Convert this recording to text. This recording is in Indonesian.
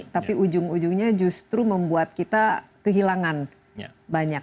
tapi ujung ujungnya justru membuat kita kehilangan banyak